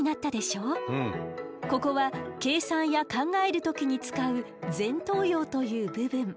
ここは計算や考える時に使う前頭葉という部分。